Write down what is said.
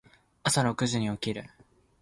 朝六時に起きる。